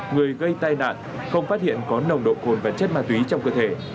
người gây tai nạn không phát hiện có nồng độ cồn và chất ma túy trong cơ thể